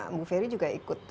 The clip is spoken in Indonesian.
ibu ferry juga ikut